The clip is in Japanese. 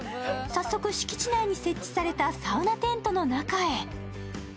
早速、敷地内に設置されたサウナテントの中へ。